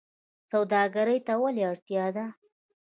سوداګرۍ ته ولې اړتیا ده؟